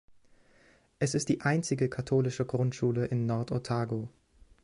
Es ist die einzige katholische Grundschule in Nord Otago.